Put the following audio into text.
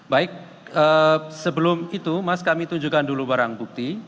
baik sebelum itu mas kami tunjukkan dulu barang bukti